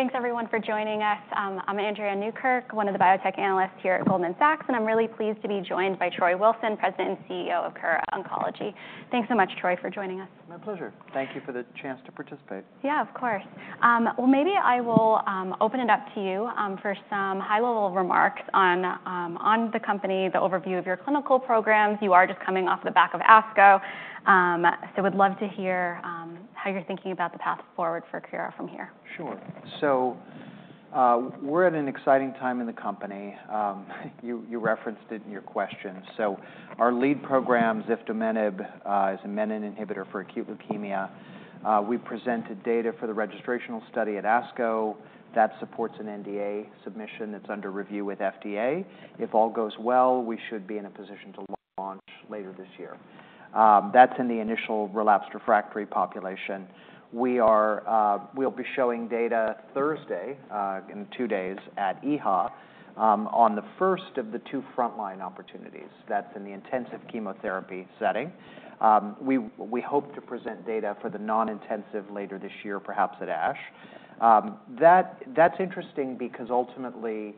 Ready? Ready. Great. Better coffee. Thanks, everyone, for joining us. I'm Andrea Newkirk, one of the Biotech Analysts here at Goldman Sachs, and I'm really pleased to be joined by Troy Wilson, President and CEO of Kura Oncology. Thanks so much, Troy, for joining us. My pleasure. Thank you for the chance to participate. Yeah, of course. Maybe I will open it up to you for some high-level remarks on the company, the overview of your clinical programs. You are just coming off the back of ASCO. I would love to hear how you're thinking about the path forward for Kura from here. Sure. So we're at an exciting time in the company. You referenced it in your questions. So our lead program, Ziftomenib, is a menin inhibitor for acute leukemia. We presented data for the registrational study at ASCO that supports an NDA submission that's under review with FDA. If all goes well, we should be in a position to launch later this year. That's in the initial relapsed/refractory population. We'll be showing data Thursday, in two days, at EHA on the first of the two frontline opportunities. That's in the intensive chemotherapy setting. We hope to present data for the non-intensive later this year, perhaps at ASH. That's interesting because ultimately,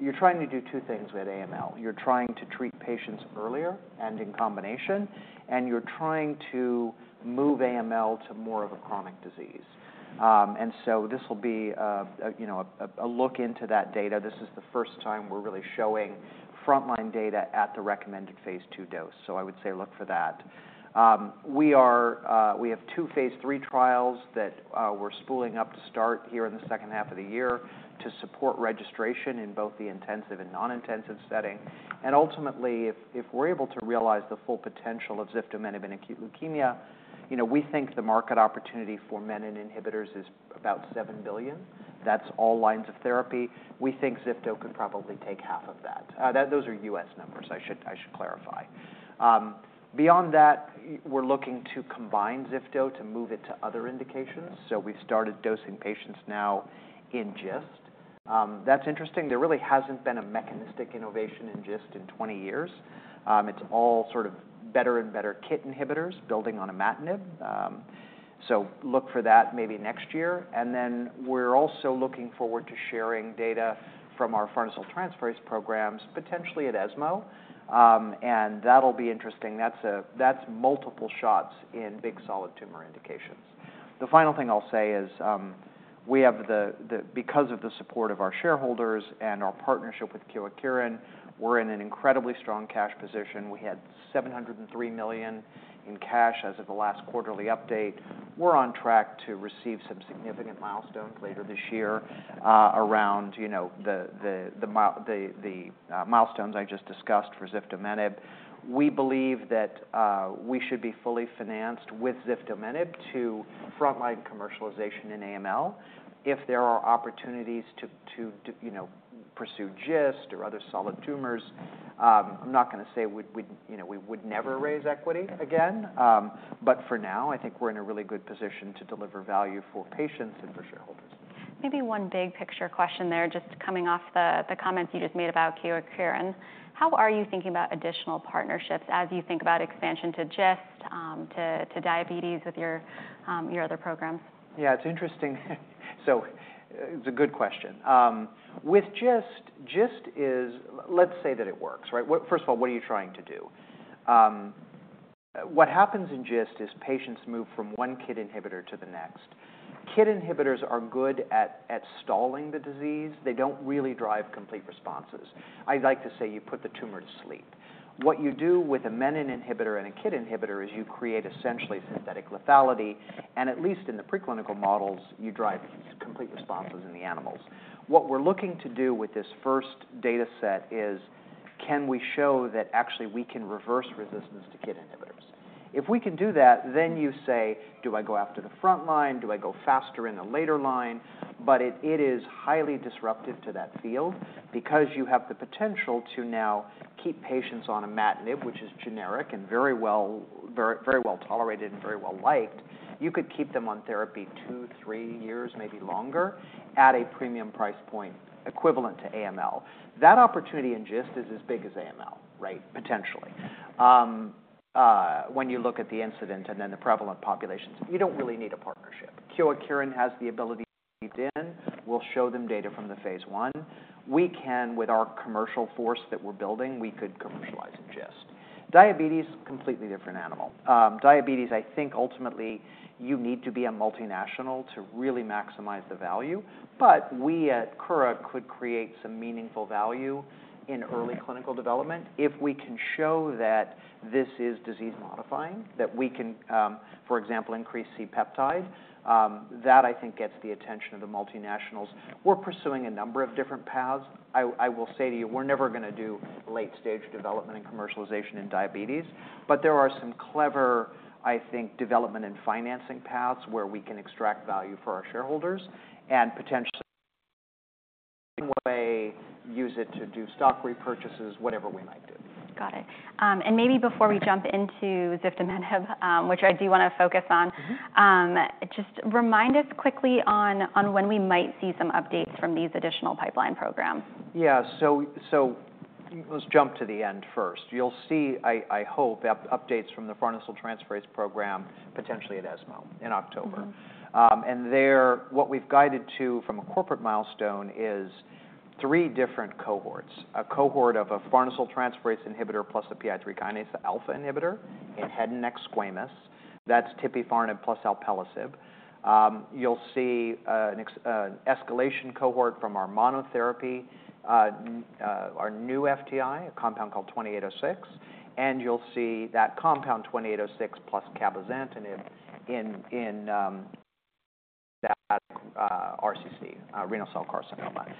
you're trying to do two things with AML. You're trying to treat patients earlier and in combination, and you're trying to move AML to more of a chronic disease. And so this will be a look into that data. This is the first time we're really showing frontline data at the recommended phase two dose. I would say look for that. We have two phase three trials that we're spooling up to start here in the second half of the year to support registration in both the intensive and non-intensive setting. Ultimately, if we're able to realize the full potential of Ziftomenib in acute leukemia, we think the market opportunity for menin inhibitors is about $7 billion. That's all lines of therapy. We think Zifto could probably take half of that. Those are U.S. numbers, I should clarify. Beyond that, we're looking to combine Zifto to move it to other indications. We've started dosing patients now in GIST. That's interesting. There really hasn't been a mechanistic innovation in GIST in 20 years. It's all sort of better and better KIT inhibitors building on Imatinib. Look for that maybe next year. We're also looking forward to sharing data from our farnesyltransferase programs, potentially at ESMO. That'll be interesting. That's multiple shots in big solid tumor indications. The final thing I'll say is because of the support of our shareholders and our partnership with Kyowa Kirin, we're in an incredibly strong cash position. We had $703 million in cash as of the last quarterly update. We're on track to receive some significant milestones later this year around the milestones I just discussed for Ziftomenib. We believe that we should be fully financed with Ziftomenib to frontline commercialization in AML. If there are opportunities to pursue GIST or other solid tumors, I'm not going to say we would never raise equity again. For now, I think we're in a really good position to deliver value for patients and for shareholders. Maybe one big picture question there, just coming off the comments you just made about Kyowa Kirin. How are you thinking about additional partnerships as you think about expansion to GIST, to diabetes with your other programs? Yeah, it's interesting. It's a good question. With GIST, GIST is, let's say that it works, right? First of all, what are you trying to do? What happens in GIST is patients move from one KIT inhibitor to the next. KIT inhibitors are good at stalling the disease. They don't really drive complete responses. I like to say you put the tumor to sleep. What you do with a Menin inhibitor and a KIT inhibitor is you create essentially synthetic lethality. At least in the preclinical models, you drive complete responses in the animals. What we're looking to do with this first data set is, can we show that actually we can reverse resistance to KIT inhibitors? If we can do that, then you say, do I go after the frontline? Do I go faster in the later line? It is highly disruptive to that field because you have the potential to now keep patients on Imatinib, which is generic and very well tolerated and very well liked. You could keep them on therapy two, three years, maybe longer at a premium price point equivalent to AML. That opportunity in GIST is as big as AML, right, potentially. When you look at the incident and then the prevalent populations, you do not really need a partnership. Kyowa Kirin has the ability to be leaned in. We will show them data from the phase one. We can, with our commercial force that we are building, we could commercialize in GIST. Diabetes, completely different animal. Diabetes, I think ultimately you need to be a multinational to really maximize the value. We at Kura could create some meaningful value in early clinical development if we can show that this is disease modifying, that we can, for example, increase C-Peptide. That, I think, gets the attention of the multinationals. We're pursuing a number of different paths. I will say to you, we're never going to do late-stage development and commercialization in diabetes. There are some clever, I think, development and financing paths where we can extract value for our shareholders and potentially use it to do stock repurchases, whatever we might do. Got it. Maybe before we jump into Ziftomenib, which I do want to focus on, just remind us quickly on when we might see some updates from these additional pipeline programs. Yeah. Let's jump to the end first. You'll see, I hope, updates from the Farnesyltransferase Program, potentially at ESMO in October. What we've guided to from a corporate milestone is three different cohorts: a cohort of a Farnesyltransferase Inhibitor plus a PI3K Alpha Inhibitor in head and neck squamous. That's Tipifarnib plus Alpelisib. You'll see an escalation cohort from our monotherapy, our new FTI, a compound called 2806. You'll see that compound 2806 plus Cabozantinib in that RCC, Renal Cell Carcinoma.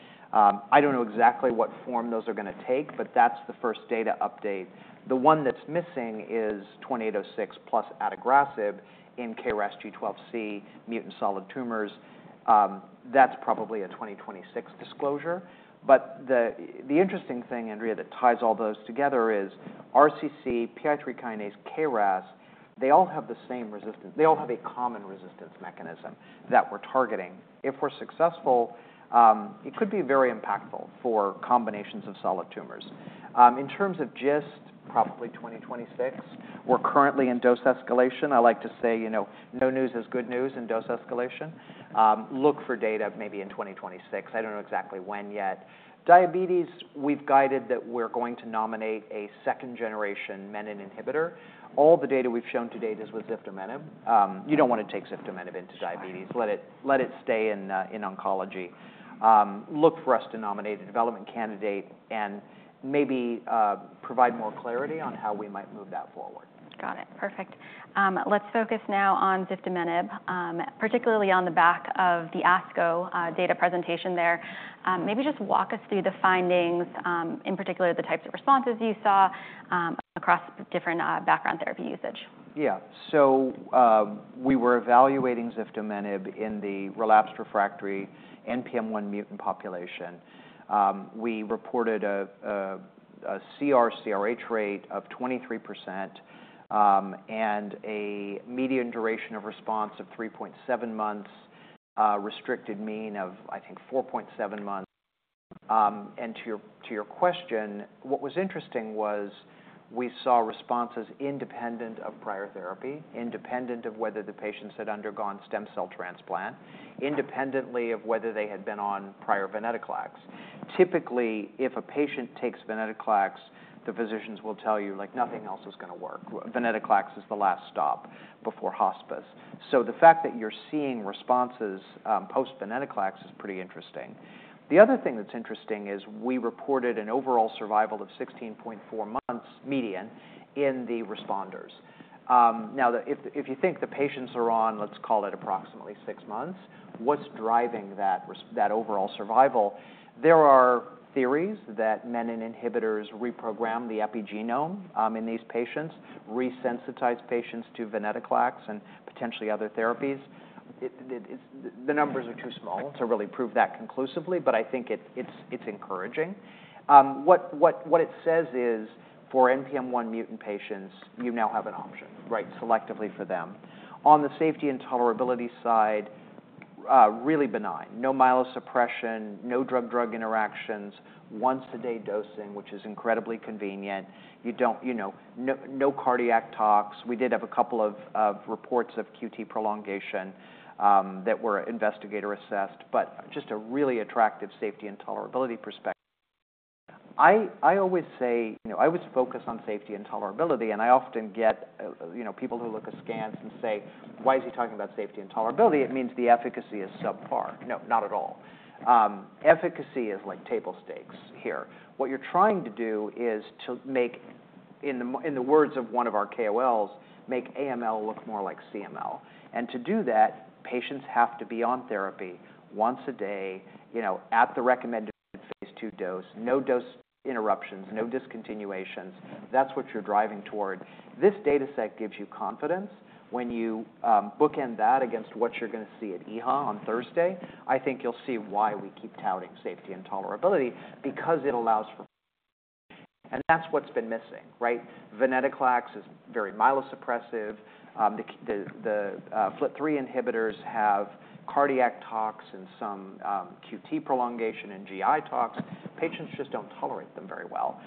I don't know exactly what form those are going to take, but that's the first data update. The one that's missing is 2806 plus Adagrasib in KRAS G12C mutant solid tumors. That's probably a 2026 disclosure. The interesting thing, Andrea, that ties all those together is RCC, PI3K, KRAS, they all have the same resistance. They all have a common resistance mechanism that we're targeting. If we're successful, it could be very impactful for combinations of solid tumors. In terms of GIST, probably 2026. We're currently in dose escalation. I like to say no news is good news in dose escalation. Look for data maybe in 2026. I don't know exactly when yet. Diabetes, we've guided that we're going to nominate a second-generation menin inhibitor. All the data we've shown to date is with Ziftomenib. You don't want to take Ziftomenib into diabetes. Let it stay in oncology. Look for us to nominate a development candidate and maybe provide more clarity on how we might move that forward. Got it. Perfect. Let's focus now on Ziftomenib, particularly on the back of the ASCO data presentation there. Maybe just walk us through the findings, in particular the types of responses you saw across different background therapy usage. Yeah. So we were evaluating Ziftomenib in the relapsed/refractory NPM1-mutant population. We reported a CR/CRh rate of 23% and a median duration of response of 3.7 months, restricted mean of, I think, 4.7 months. To your question, what was interesting was we saw responses independent of prior therapy, independent of whether the patients had undergone stem cell transplant, independently of whether they had been on prior Venetoclax. Typically, if a patient takes Venetoclax, the physicians will tell you nothing else is going to work. Venetoclax is the last stop before hospice. The fact that you're seeing responses post-Venetoclax is pretty interesting. The other thing that's interesting is we reported an overall survival of 16.4 months median in the responders. Now, if you think the patients are on, let's call it approximately six months, what's driving that overall survival? There are theories that Menin Inhibitors reprogram the epigenome in these patients, resensitize patients to venetoclax and potentially other therapies. The numbers are too small to really prove that conclusively, but I think it's encouraging. What it says is for NPM1 mutant patients, you now have an option, right, selectively for them. On the safety and tolerability side, really benign. No Myelosuppression, no drug-drug interactions, once-a-day dosing, which is incredibly convenient. No cardiac tox. We did have a couple of reports of QT prolongation that were investigator-assessed, but just a really attractive safety and tolerability perspective. I always say I was focused on safety and tolerability, and I often get people who look at scans and say, why is he talking about safety and tolerability? It means the efficacy is subpar. No, not at all. Efficacy is like table stakes here. What you're trying to do is to make, in the words of one of our KOLs, make AML look more like CML. To do that, patients have to be on therapy once a day at the recommended phase two dose, no dose interruptions, no discontinuations. That's what you're driving toward. This data set gives you confidence. When you bookend that against what you're going to see at EHA on Thursday, I think you'll see why we keep touting safety and tolerability, because it allows for. That's what's been missing, right? Venetoclax is very myelosuppressive. The FLT3 inhibitors have cardiac tox and some QT prolongation and GI tox. Patients just don't tolerate them very well.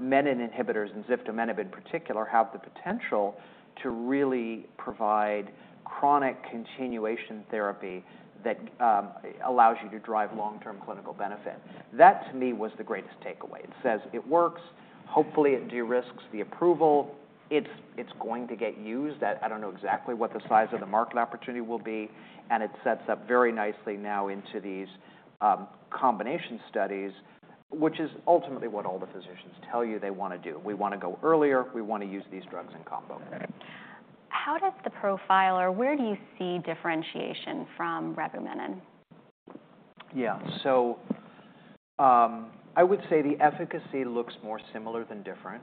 Menin inhibitors and Ziftomenib in particular have the potential to really provide chronic continuation therapy that allows you to drive long-term clinical benefit. That, to me, was the greatest takeaway. It says it works. Hopefully, it de-risks the approval. It's going to get used. I don't know exactly what the size of the market opportunity will be. It sets up very nicely now into these combination studies, which is ultimately what all the physicians tell you they want to do. We want to go earlier. We want to use these drugs in combo. How does the profile or where do you see differentiation from Revumenib? Yeah. I would say the efficacy looks more similar than different.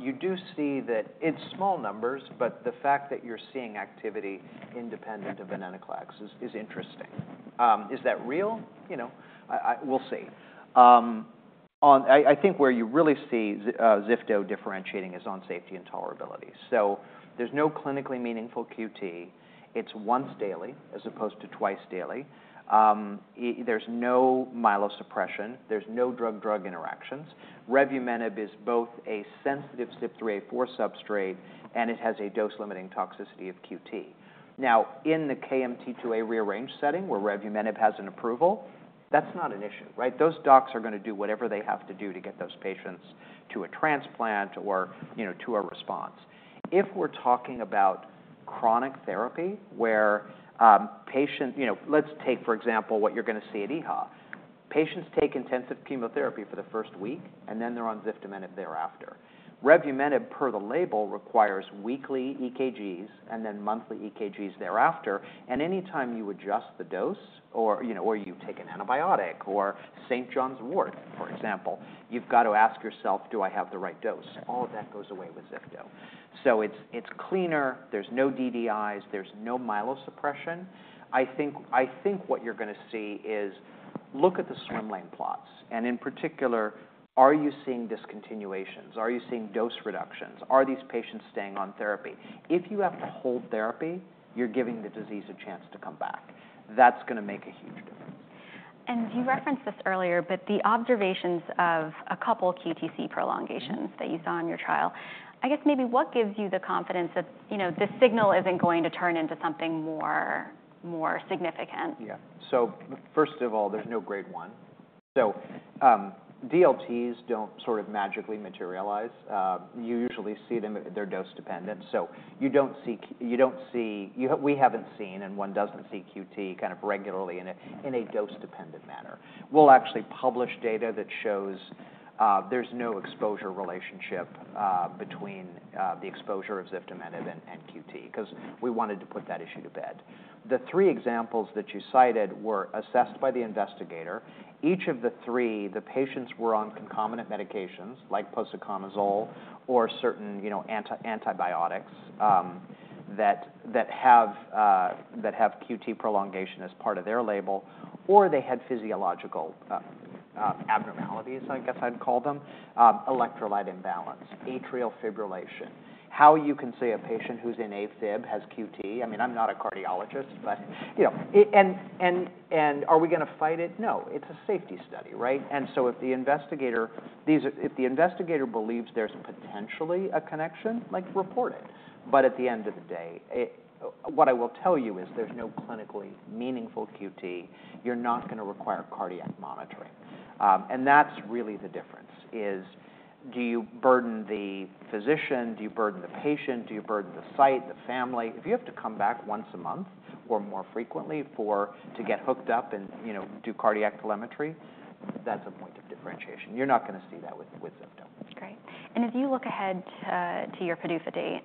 You do see that it's small numbers, but the fact that you're seeing activity independent of venetoclax is interesting. Is that real? We'll see. I think where you really see Zifto differentiating is on safety and tolerability. There's no clinically meaningful QT. It's once daily as opposed to twice daily. There's no myelosuppression. There's no drug-drug interactions. Revumenib is both a sensitive CYP3A4 substrate, and it has a dose-limiting toxicity of QT. Now, in the KMT2A-rearranged setting where Revumenib has an approval, that's not an issue, right? Those docs are going to do whatever they have to do to get those patients to a transplant or to a response. If we're talking about chronic therapy where patients—let's take, for example, what you're going to see at EHA. Patients take intensive chemotherapy for the first week, and then they're on Ziftomenib thereafter. Revumenib, per the label, requires weekly EKGs and then monthly EKGs thereafter. Anytime you adjust the dose or you take an antibiotic or St. John's Wort, for example, you've got to ask yourself, do I have the right dose? All of that goes away with Zifto. It is cleaner. There are no DDIs. There is no myelosuppression. I think what you're going to see is look at the swimlane plots. In particular, are you seeing discontinuations? Are you seeing dose reductions? Are these patients staying on therapy? If you have to hold therapy, you're giving the disease a chance to come back. That is going to make a huge difference. You referenced this earlier, but the observations of a couple QTC prolongations that you saw in your trial, I guess maybe what gives you the confidence that this signal is not going to turn into something more significant? Yeah. First of all, there's no grade one. DLTs do not sort of magically materialize. You usually see them if they're dose dependent. You do not see—we have not seen, and one does not see QT kind of regularly in a dose-dependent manner. We will actually publish data that shows there is no exposure relationship between the exposure of Ziftomenib and QT because we wanted to put that issue to bed. The three examples that you cited were assessed by the investigator. Each of the three, the patients were on concomitant medications like posaconazole or certain antibiotics that have QT prolongation as part of their label, or they had physiological abnormalities, I guess I would call them, Electrolyte imbalance, Atrial Fibrillation. How you can see a patient who is in AFib has QT. I mean, I am not a cardiologist, but—and are we going to fight it? No. It is a safety study, right? If the investigator believes there's potentially a connection, like report it. At the end of the day, what I will tell you is there's no clinically meaningful QT. You're not going to require cardiac monitoring. That's really the difference: do you burden the physician? Do you burden the patient? Do you burden the site, the family? If you have to come back once a month or more frequently to get hooked up and do cardiac telemetry, that's a point of differentiation. You're not going to see that with Zifto. Great. As you look ahead to your PDUFA date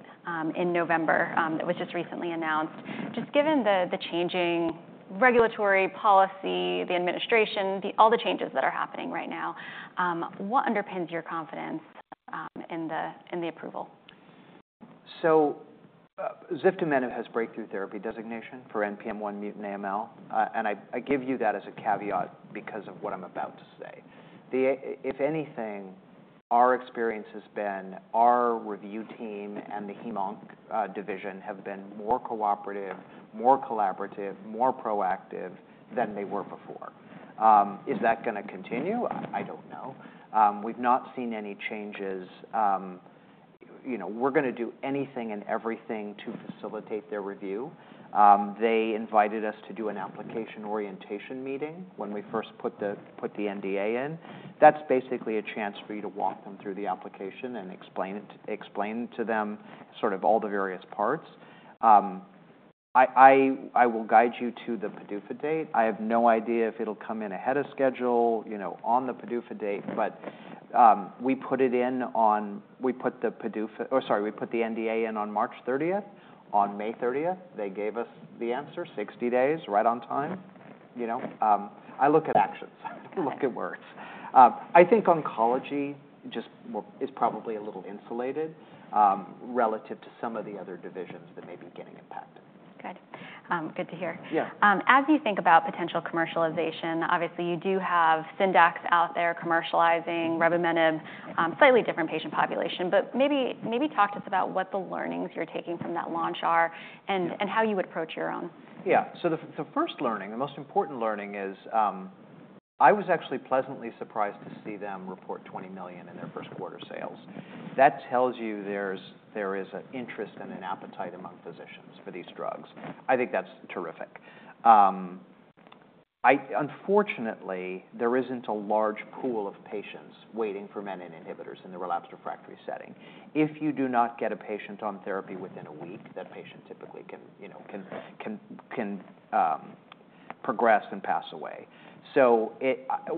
in November that was just recently announced, just given the changing regulatory policy, the administration, all the changes that are happening right now, what underpins your confidence in the approval? Ziftomenib has breakthrough therapy designation for NPM1-mutant AML. I give you that as a caveat because of what I'm about to say. If anything, our experience has been our review team and the HemOnc division have been more cooperative, more collaborative, more proactive than they were before. Is that going to continue? I don't know. We've not seen any changes. We're going to do anything and everything to facilitate their review. They invited us to do an application orientation meeting when we first put the NDA in. That's basically a chance for you to walk them through the application and explain to them sort of all the various parts. I will guide you to the PDUFA date. I have no idea if it'll come in ahead of schedule on the PDUFA date, but we put it in on—we put the PDUFA—oh, sorry, we put the NDA in on March 30th. On May 30th, they gave us the answer, 60 days, right on time. I look at actions. I look at words. I think oncology just is probably a little insulated relative to some of the other divisions that may be getting impacted. Good. Good to hear. As you think about potential commercialization, obviously you do have Syndax out there commercializing Revumenib, slightly different patient population, but maybe talk to us about what the learnings you're taking from that launch are and how you would approach your own. Yeah. The first learning, the most important learning is I was actually pleasantly surprised to see them report $20 million in their first quarter sales. That tells you there is an interest and an appetite among physicians for these drugs. I think that's terrific. Unfortunately, there isn't a large pool of patients waiting for menin inhibitors in the relapsed/refractory setting. If you do not get a patient on therapy within a week, that patient typically can progress and pass away.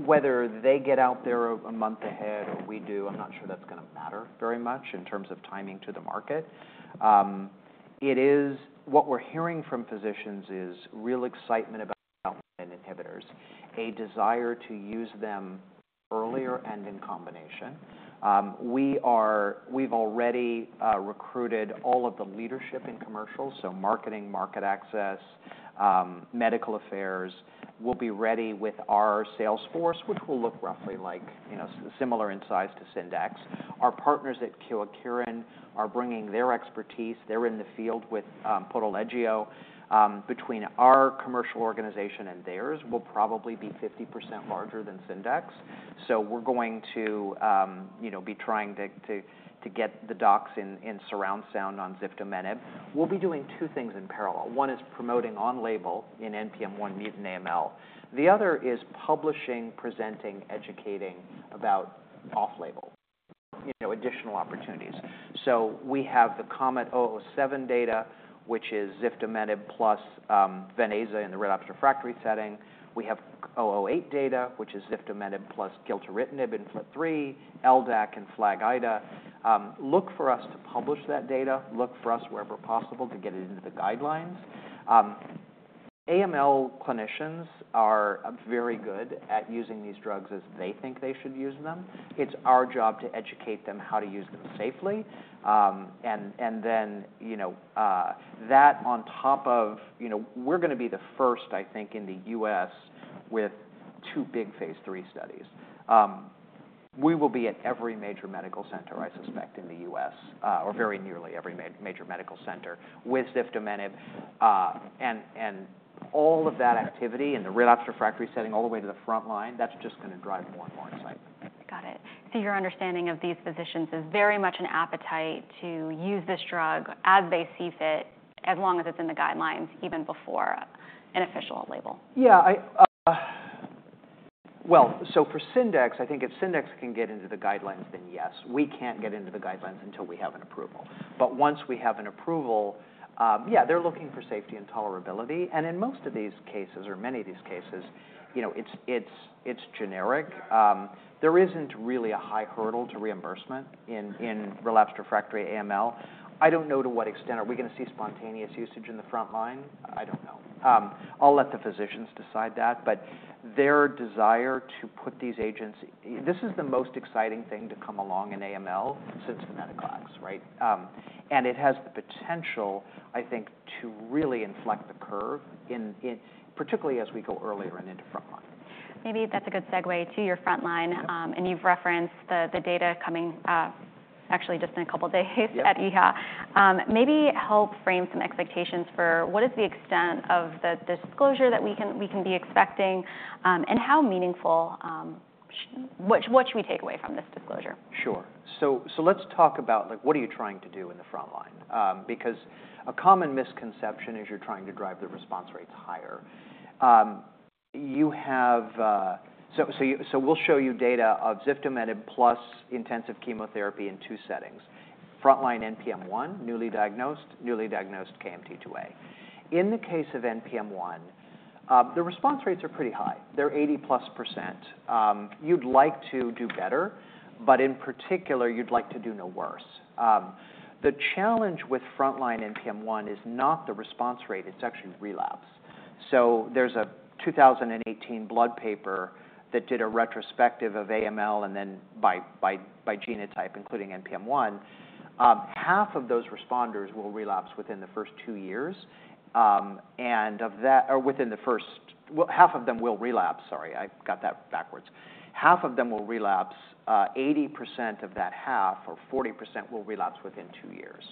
Whether they get out there a month ahead or we do, I'm not sure that's going to matter very much in terms of timing to the market. What we're hearing from physicians is real excitement about menin inhibitors, a desire to use them earlier and in combination. We've already recruited all of the leadership in commercial, so marketing, market access, medical affairs. We'll be ready with our sales force, which will look roughly similar in size to Syndax. Our partners at Kyowa Kirin are bringing their expertise. They're in the field with Poteligeo. Between our commercial organization and theirs, we'll probably be 50% larger than Syndax. We're going to be trying to get the docs in surround sound on Ziftomenib. We'll be doing two things in parallel. One is promoting on label in NPM1-mutant AML. The other is publishing, presenting, educating about off label, additional opportunities. We have the KOMET-007 data, which is Ziftomenib plus Ven/Aza in the relapsed/refractory setting. We have 008 data, which is Ziftomenib plus Gilteritinib in FLT3, LDAC and FLAG-IDA. Look for us to publish that data. Look for us wherever possible to get it into the guidelines. AML clinicians are very good at using these drugs as they think they should use them. It's our job to educate them how to use them safely. That on top of we're going to be the first, I think, in the U.S. with two big phase three studies. We will be at every major medical center, I suspect, in the U.S., or very nearly every major medical center with Ziftomenib. All of that activity in the relapsed refractory setting all the way to the front line, that's just going to drive more and more excitement. Got it. So your understanding of these physicians is very much an appetite to use this drug as they see fit, as long as it's in the guidelines, even before an official label. Yeah. For Syndax, I think if Syndax can get into the guidelines, then yes. We cannot get into the guidelines until we have an approval. Once we have an approval, yeah, they are looking for safety and tolerability. In most of these cases, or many of these cases, it is generic. There is not really a high hurdle to reimbursement in relapsed/refractory AML. I do not know to what extent are we going to see spontaneous usage in the front line. I do not know. I will let the physicians decide that. Their desire to put these agents, this is the most exciting thing to come along in AML since venetoclax, right? It has the potential, I think, to really inflect the curve, particularly as we go earlier and into front line. Maybe that's a good segue to your front line. You've referenced the data coming actually just in a couple of days at EHA. Maybe help frame some expectations for what is the extent of the disclosure that we can be expecting and how meaningful. What should we take away from this disclosure? Sure. Let's talk about what are you trying to do in the front line. Because a common misconception is you're trying to drive the response rates higher. We'll show you data of Ziftomenib plus intensive chemotherapy in two settings: front line NPM1, newly diagnosed, newly diagnosed KMT2A. In the case of NPM1, the response rates are pretty high. They're 80% plus. You'd like to do better, but in particular, you'd like to do no worse. The challenge with front line NPM1 is not the response rate. It's actually relapse. There's a 2018 Blood Paper that did a retrospective of AML and then by genotype, including NPM1. Half of those responders will relapse within the first two years. Half of them will relapse. Sorry, I got that backwards. Half of them will relapse. 80% of that half or 40% will relapse within two years.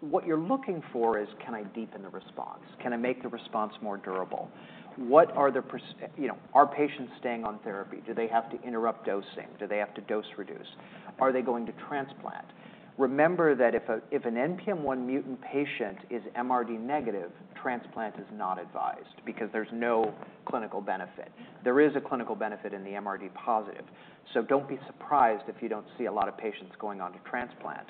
What you're looking for is, can I deepen the response? Can I make the response more durable? What are the %? Are patients staying on therapy? Do they have to interrupt dosing? Do they have to dose reduce? Are they going to transplant? Remember that if an NPM1-mutant patient is MRD negative, transplant is not advised because there's no clinical benefit. There is a clinical benefit in the MRD positive. Do not be surprised if you do not see a lot of patients going on to transplant.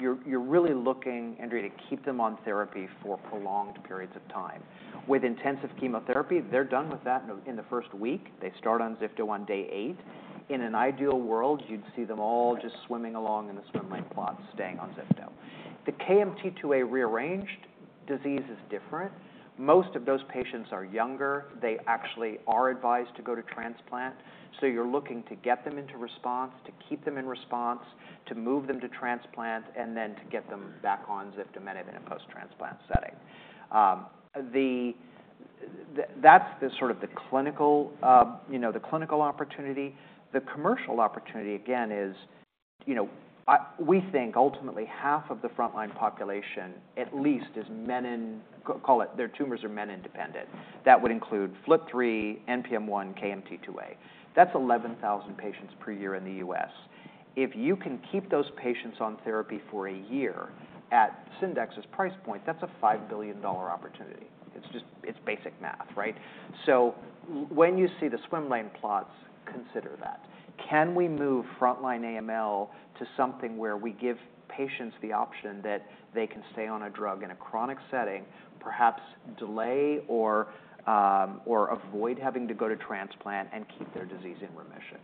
You're really looking to keep them on therapy for prolonged periods of time. With intensive chemotherapy, they're done with that in the first week. They start on Zifto on day eight. In an ideal world, you'd see them all just swimming along in the swimlane plots, staying on Ziftomenib. The KMT2A-rearranged disease is different. Most of those patients are younger. They actually are advised to go to transplant. You are looking to get them into response, to keep them in response, to move them to transplant, and then to get them back on Ziftomenib in a post-transplant setting. That is sort of the clinical opportunity. The commercial opportunity, again, is we think ultimately half of the front line population at least is menin, call it their tumors are menin dependent. That would include FLT3, NPM1, KMT2A. That is 11,000 patients per year in the U.S.. If you can keep those patients on therapy for a year at Syndax's price point, that is a $5 billion opportunity. It is basic math, right? When you see the swimlane plots, consider that. Can we move front line AML to something where we give patients the option that they can stay on a drug in a chronic setting, perhaps delay or avoid having to go to transplant and keep their disease in remission?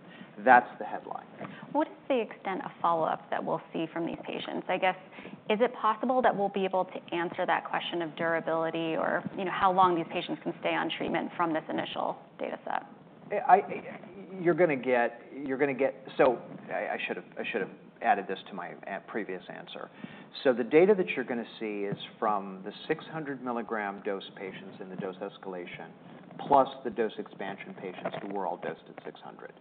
That is the headline. What is the extent of follow-up that we'll see from these patients? I guess, is it possible that we'll be able to answer that question of durability or how long these patients can stay on treatment from this initial data set? You're going to get, so I should have added this to my previous answer. The data that you're going to see is from the 600 milligram dose patients in the dose escalation plus the dose expansion patients who were all dosed at 600.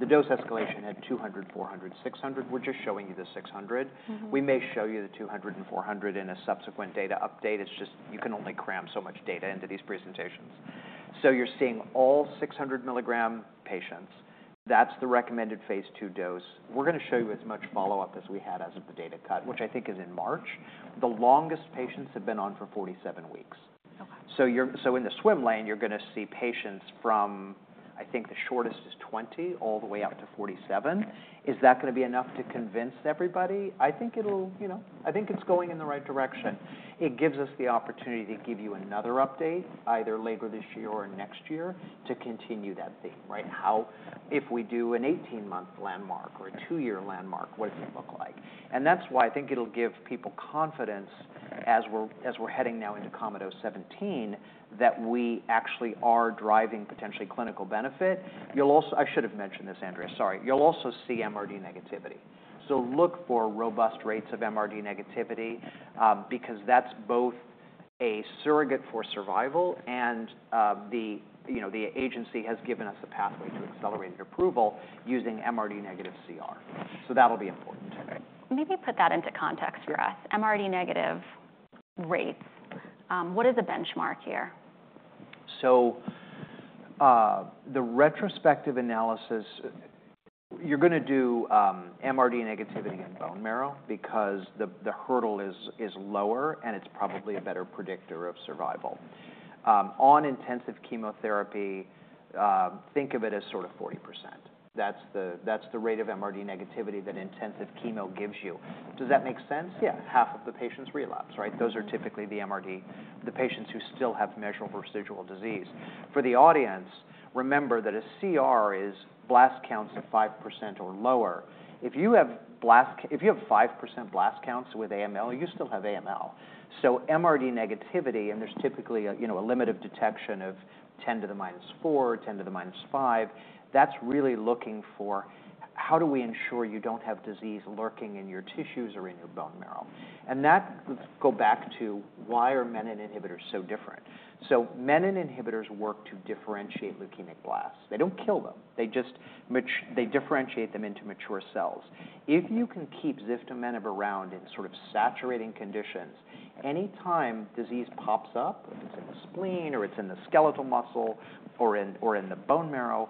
The dose escalation had 200, 400, 600. We're just showing you the 600. We may show you the 200 and 400 in a subsequent data update. It's just you can only cram so much data into these presentations. You're seeing all 600 milligram patients. That's the recommended phase two dose. We're going to show you as much follow-up as we had as of the data cut, which I think is in March. The longest patients have been on for 47 weeks. In the swimlane, you're going to see patients from, I think the shortest is 20 all the way out to 47. Is that going to be enough to convince everybody? I think it's going in the right direction. It gives us the opportunity to give you another update either later this year or next year to continue that theme, right? If we do an 18-month landmark or a two-year landmark, what does it look like? That is why I think it'll give people confidence as we're heading now into COMEDONES-17 that we actually are driving potentially clinical benefit. I should have mentioned this, Andrea. Sorry. You'll also see MRD negativity. Look for robust rates of MRD negativity because that's both a surrogate for survival and the agency has given us a pathway to accelerated approval using MRD negative CR. That'll be important. Maybe put that into context for us. MRD negative rates, what is a benchmark here? The retrospective analysis, you're going to do MRD negativity in bone marrow because the hurdle is lower and it's probably a better predictor of survival. On intensive chemotherapy, think of it as sort of 40%. That's the rate of MRD negativity that intensive chemo gives you. Does that make sense? Yeah. Half of the patients relapse, right? Those are typically the MRD, the patients who still have measurable residual disease. For the audience, remember that a CR is blast counts of 5% or lower. If you have 5% blast counts with AML, you still have AML. MRD negativity, and there's typically a limit of detection of 10 to the minus 4, 10 to the minus 5. That's really looking for how do we ensure you don't have disease lurking in your tissues or in your bone marrow. That goes back to why are menin inhibitors so different? Menin inhibitors work to differentiate leukemic blasts. They do not kill them. They differentiate them into mature cells. If you can keep Ziftomenib around in sort of saturating conditions, anytime disease pops up, if it is in the spleen or it is in the skeletal muscle or in the bone marrow,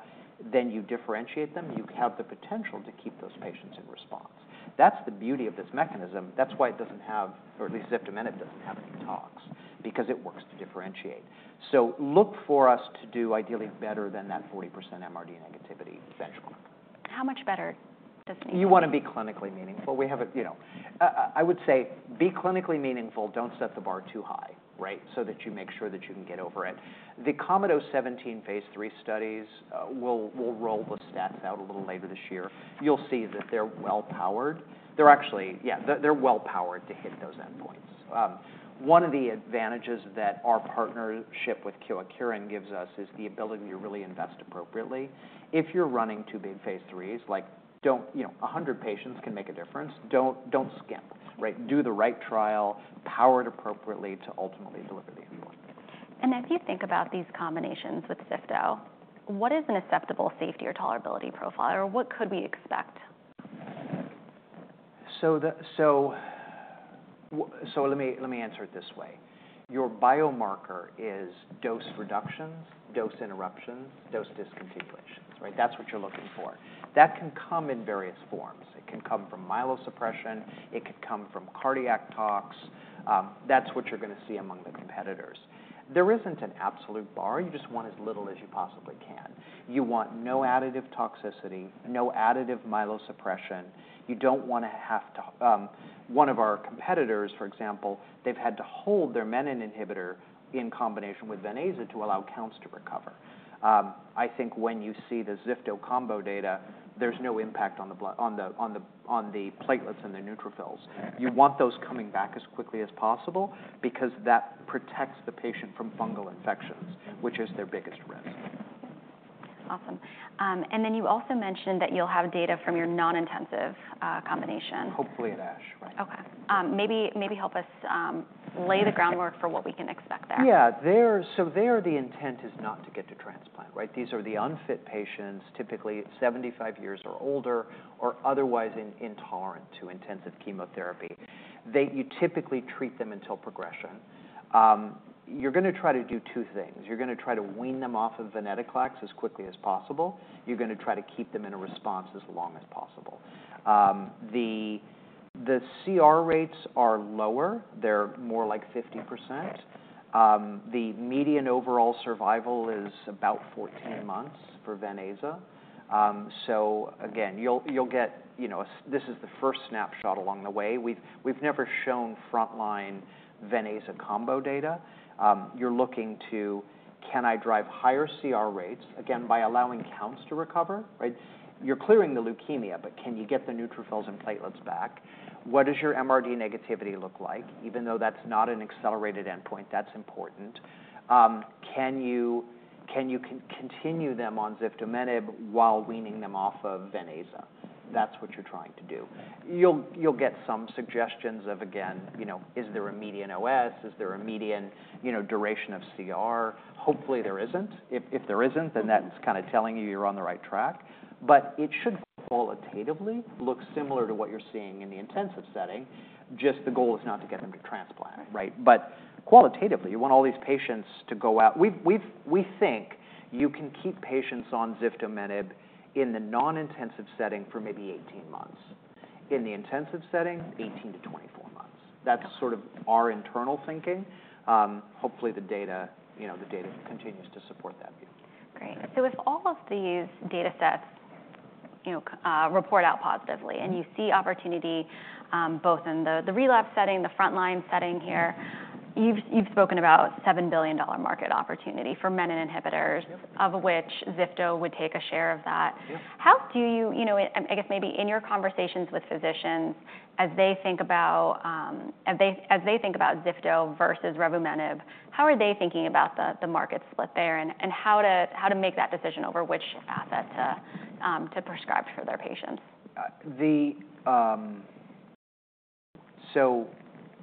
then you differentiate them. You have the potential to keep those patients in response. That is the beauty of this mechanism. That is why it does not have, or at least Ziftomenib does not have any tox because it works to differentiate. Look for us to do ideally better than that 40% MRD negativity benchmark. How much better does it mean? You want to be clinically meaningful. I would say be clinically meaningful, don't set the bar too high, right? So that you make sure that you can get over it. The COMEDONES-17 phase three studies will roll the stats out a little later this year. You'll see that they're well powered. They're actually, yeah, they're well powered to hit those endpoints. One of the advantages that our partnership with Kyowa Kirin gives us is the ability to really invest appropriately. If you're running two big phase threes, like 100 patients can make a difference, don't skimp, right? Do the right trial, power it appropriately to ultimately deliver the endpoint. If you think about these combinations with Zifto, what is an acceptable safety or tolerability profile or what could we expect? Let me answer it this way. Your biomarker is dose reductions, dose interruptions, dose discontinuations, right? That's what you're looking for. That can come in various forms. It can come from myelosuppression. It could come from cardiac tox. That's what you're going to see among the competitors. There isn't an absolute bar. You just want as little as you possibly can. You want no additive toxicity, no additive myelosuppression. You don't want to have to, one of our competitors, for example, they've had to hold their menin inhibitor in combination with Ven/Aza to allow counts to recover. I think when you see the Zifto combo data, there's no impact on the platelets and the neutrophils. You want those coming back as quickly as possible because that protects the patient from fungal infections, which is their biggest risk. Awesome. You also mentioned that you'll have data from your non-intensive combination. Hopefully at ASH, right? Okay. Maybe help us lay the groundwork for what we can expect there. Yeah. So there, the intent is not to get to transplant, right? These are the unfit patients, typically 75 years or older or otherwise intolerant to intensive chemotherapy. You typically treat them until progression. You're going to try to do two things. You're going to try to wean them off of venetoclax as quickly as possible. You're going to try to keep them in a response as long as possible. The CR rates are lower. They're more like 50%. The median overall survival is about 14 months for Ven/Aza. Again, you'll get this is the first snapshot along the way. We've never shown frontline Ven/Aza combo data. You're looking to, can I drive higher CR rates, again, by allowing counts to recover, right? You're clearing the leukemia, but can you get the neutrophils and platelets back? What does your MRD negativity look like? Even though that's not an accelerated endpoint, that's important. Can you continue them on Ziftomenib while weaning them off of Ven/Aza? That's what you're trying to do. You'll get some suggestions of, again, is there a median OS? Is there a median duration of CR? Hopefully there isn't. If there isn't, then that's kind of telling you you're on the right track. It should qualitatively look similar to what you're seeing in the intensive setting. The goal is not to get them to transplant, right? Qualitatively, you want all these patients to go out. We think you can keep patients on Ziftomenib in the non-intensive setting for maybe 18 months. In the intensive setting, 18-24 months. That's sort of our internal thinking. Hopefully the data continues to support that view. Great. If all of these data sets report out positively and you see opportunity both in the relapse setting, the front line setting here, you've spoken about $7 billion market opportunity for menin inhibitors, of which Zifto would take a share of that. How do you, I guess maybe in your conversations with physicians, as they think about Ziftoversus Revumenib, how are they thinking about the market split there and how to make that decision over which asset to prescribe for their patients?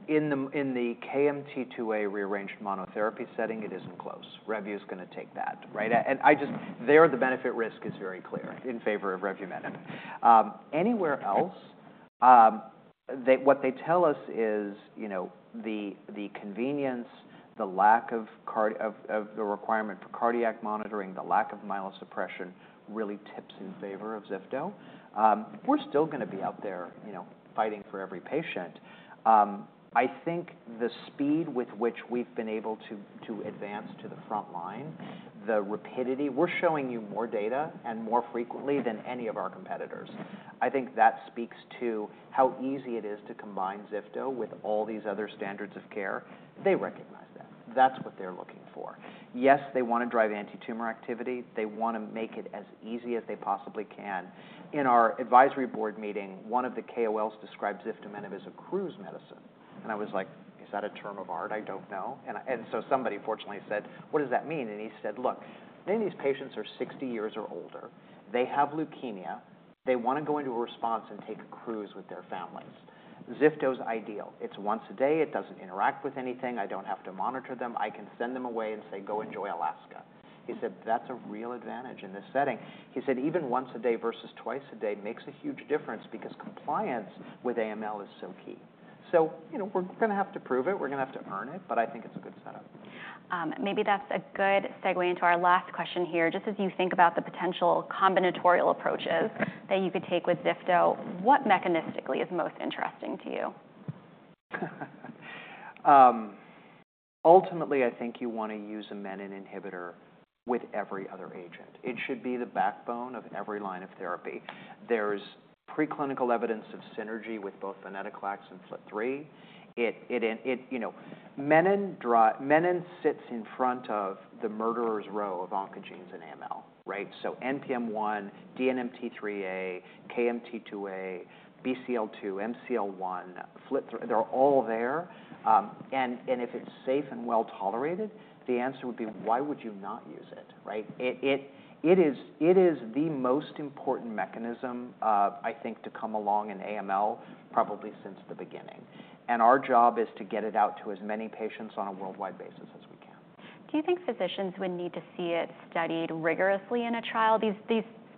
In the KMT2A-rearranged monotherapy setting, it isn't close. Revu is going to take that, right? I just, there the benefit-risk is very clear in favor of Revumenib. Anywhere else, what they tell us is the convenience, the lack of the requirement for cardiac monitoring, the lack of myelosuppression really tips in favor of Zifto. We're still going to be out there fighting for every patient. I think the speed with which we've been able to advance to the front line, the rapidity, we're showing you more data and more frequently than any of our competitors. I think that speaks to how easy it is to combine Zifto with all these other standards of care. They recognize that. That's what they're looking for. Yes, they want to drive anti-tumor activity. They want to make it as easy as they possibly can. In our advisory board meeting, one of the KOLs described Ziftomenib as a cruise medicine. I was like, is that a term of art? I do not know. Somebody fortunately said, what does that mean? He said, look, many of these patients are 60 years or older. They have leukemia. They want to go into a response and take a cruise with their families. Zifto is ideal. It is once a day. It does not interact with anything. I do not have to monitor them. I can send them away and say, go enjoy Alaska. He said, that is a real advantage in this setting. He said, even once a day versus twice a day makes a huge difference because compliance with AML is so key. We are going to have to prove it. We are going to have to earn it, but I think it is a good setup. Maybe that's a good segue into our last question here. Just as you think about the potential combinatorial approaches that you could take with Zifto, what mechanistically is most interesting to you? Ultimately, I think you want to use a menin inhibitor with every other agent. It should be the backbone of every line of therapy. There's preclinical evidence of synergy with both venetoclax and FLT3. Menin sits in front of the murderer's row of oncogenes in AML, right? NPM1, DNMT3A, KMT2A, BCL2, MCL1, FLT3, they're all there. If it's safe and well tolerated, the answer would be, why would you not use it, right? It is the most important mechanism, I think, to come along in AML probably since the beginning. Our job is to get it out to as many patients on a worldwide basis as we can. Do you think physicians would need to see it studied rigorously in a trial,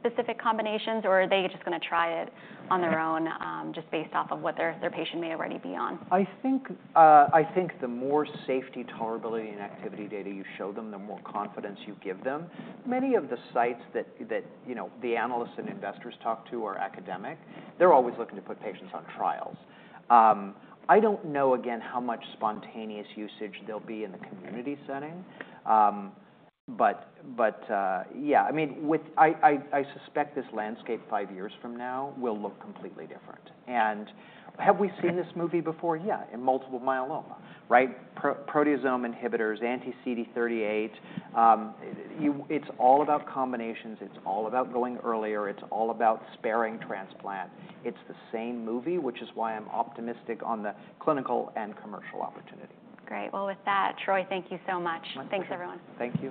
these specific combinations, or are they just going to try it on their own just based off of what their patient may already be on? I think the more safety, tolerability, and activity data you show them, the more confidence you give them. Many of the sites that the analysts and investors talk to are academic. They're always looking to put patients on trials. I don't know, again, how much spontaneous usage there'll be in the community setting. Yeah, I mean, I suspect this landscape five years from now will look completely different. Have we seen this movie before? Yeah, in multiple myeloma, right? Proteasome inhibitors, Anti-CD38. It's all about combinations. It's all about going earlier. It's all about sparing transplant. It's the same movie, which is why I'm optimistic on the clinical and commercial opportunity. Great. With that, Troy, thank you so much. Thanks, everyone. Thank you.